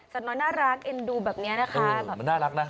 น้อยน่ารักเอ็นดูแบบนี้นะคะแบบมันน่ารักนะ